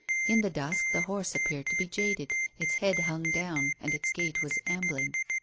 In the dusk the horse appeared to be jaded; its head hung down, and its gait was ambling.